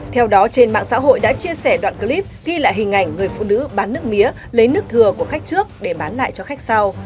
theo đó trên mạng xã hội đã chia sẻ đoạn clip ghi lại hình ảnh người phụ nữ bán nước mía lấy nước thừa của khách trước để bán lại cho khách sau